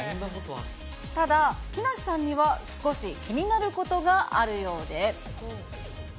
ただ、木梨さんには少し気になることがあるようで。